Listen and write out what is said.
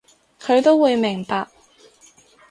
佢都會明白